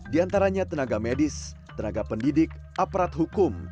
di antaranya tenaga medis tenaga pendidik aparat hukum